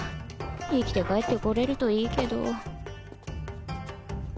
生きて帰ってこれるといいけど